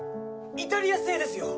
「イタリア製ですよ」